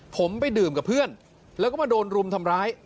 ผมไปดื่มกับเพื่อนแล้วก็มาโดนรุมทำร้าย